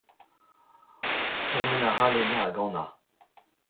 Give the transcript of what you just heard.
Pourmen a ra Lena hag Anna.